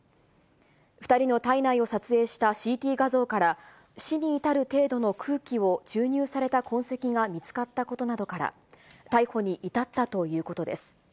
２人の体内を撮影したＣＴ画像から、死に至る程度の空気を注入された痕跡が見つかったことなどから、逮捕に至ったということです。